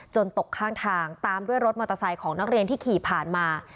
ตกข้างทางตามด้วยรถมอเตอร์ไซค์ของนักเรียนที่ขี่ผ่านมา